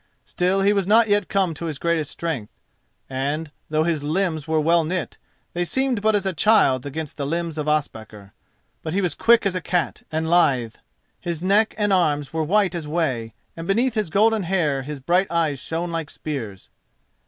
Still, he was not yet come to his greatest strength, and, though his limbs were well knit, they seemed but as a child's against the limbs of Ospakar. But he was quick as a cat and lithe, his neck and arms were white as whey, and beneath his golden hair his bright eyes shone like spears.